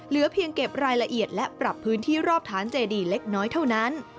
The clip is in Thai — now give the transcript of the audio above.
เหลือเพียงเก็บรายละเอียดและปรับพื้นที่รอบฐานเจดีเล็กน้อยเท่านั้น